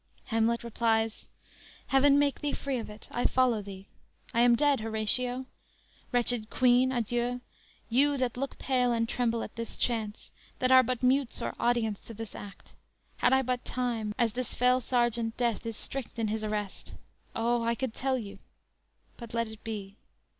"_ Hamlet replies: _"Heaven make thee free of it! I follow thee. I am dead, Horatio. Wretched Queen, adieu! You that look pale and tremble at this chance, That are but mutes or audience to this act, Had I but time, as this fell sergeant Death, Is strict in his arrest O, I could tell you But let it be.